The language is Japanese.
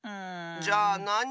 じゃあなに？